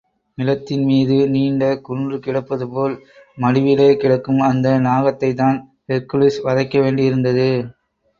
நிலத்தின்மீது நீண்ட குன்று கிடப்பது போல், மடுவிலே கிடக்கும் அந்த நாகத்தைத்தான் ஹெர்க்குலிஸ் வதைக்க வேண்டியிருந்தது.